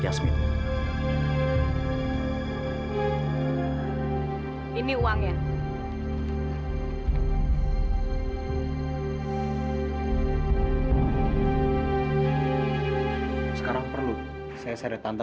masih nggak mau ngaku juga tante